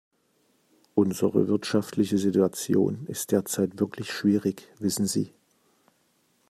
Unsere wirtschaftliche Situation ist derzeit wirklich schwierig, wissen Sie.